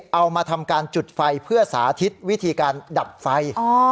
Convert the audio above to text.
เอามาทำการจุดไฟเพื่อสาธิตวิธีการดับไฟ